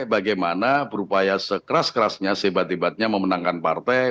bagaimana berupaya sekeras kerasnya sehebat hebatnya memenangkan partai